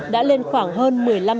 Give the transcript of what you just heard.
đã lên khoảng hơn một mươi năm tỷ đồng